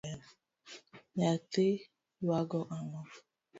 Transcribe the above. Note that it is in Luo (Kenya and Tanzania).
Nyathi ywago ang’o?